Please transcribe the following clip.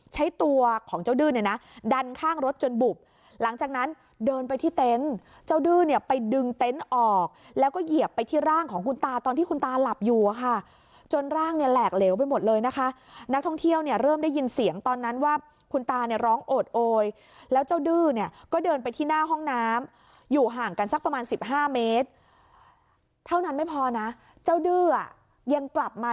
เจ้าดื้อเนี่ยไปดึงเต็นต์ออกแล้วก็เหยียบไปที่ร่างของคุณตาตอนที่คุณตาหลับอยู่ค่ะจนร่างเนี่ยแหลกเหลวไปหมดเลยนะคะนักท่องเที่ยวเนี่ยเริ่มได้ยินเสียงตอนนั้นว่าคุณตาเนี่ยร้องโอดโอยแล้วเจ้าดื้อเนี่ยก็เดินไปที่หน้าห้องน้ำอยู่ห่างกันสักประมาณ๑๕เมตรเท่านั้นไม่พอนะเจ้าดื้ออ่ะยังกลับมา